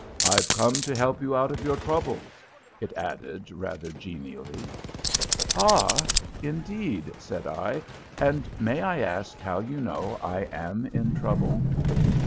"I've come to help you out of your troubles," it added, rather genially. "Ah? Indeed!" said I. "And may I ask how you know I am in trouble?"